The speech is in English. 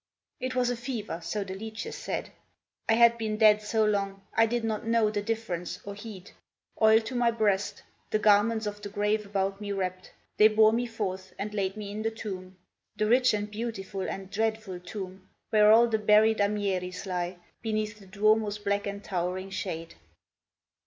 It was a fever, so the leeches said. I had been dead so long, I did not know The difference, or heed. Oil on my breast, The garments of the grave about me wrapped, They bore me forth, and laid me in the tomb. The rich and beautiful and dreadful tomb, Where all the buried Amteris lie, Beneath the Duomo's black and towering shade.